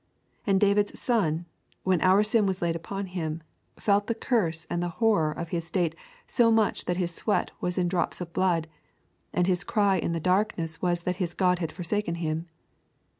And David's Son, when our sin was laid upon Him, felt the curse and the horror of His state so much that His sweat was in drops of blood, and His cry in the darkness was that His God had forsaken Him.